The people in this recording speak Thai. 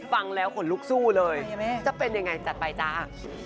ฟังแล้วขนลุกสู้เลยจะเป็นยังไงจัดไปจ้า